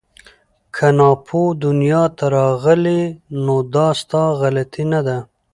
که ناپوه دنیا ته راغلې نو دا ستا غلطي نه ده